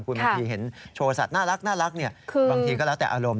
คุณบางทีเห็นโชว์สัตว์น่ารักบางทีก็แล้วแต่อารมณ์